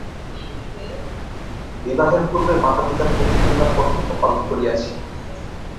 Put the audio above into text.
বিবাহের পূর্বে মাতাপিতার প্রতি কন্যার কর্তব্য পালন করিয়াছি।